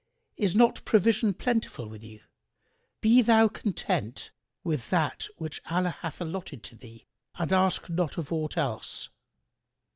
Is not provision plentiful with you? Be thou content with that which Allah hath allotted to thee and ask not of aught else."